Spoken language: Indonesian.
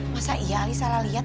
masa iya ali salah liat